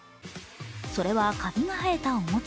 それはカビが生えたお餅。